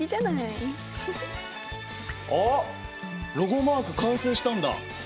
あっロゴマーク完成したんだ。